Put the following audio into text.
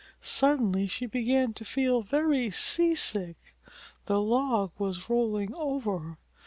suddenly she began to feel very seasick. The log was rolling over!